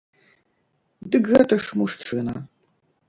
Дык гэта ж мужчына!